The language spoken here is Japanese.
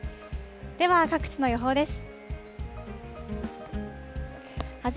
では各地の予報です。